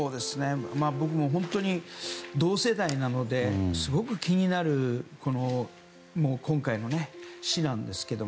僕も本当に同世代なのですごく気になる今回の死なんですけど。